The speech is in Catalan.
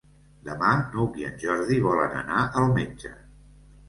Demà n'Hug i en Jordi volen anar al metge.